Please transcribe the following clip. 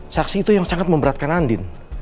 saksi itu yang sangat memberatkan andin